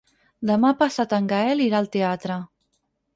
Demà passat en Gaël irà al teatre.